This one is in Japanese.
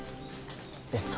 えっと。